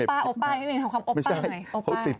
โอปป่าโอปป่านี่หนึ่งคำโอปป่าน้อย